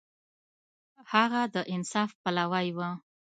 هغه د انصاف پلوی و.